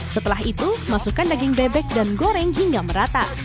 setelah itu masukkan daging bebek dan goreng hingga merata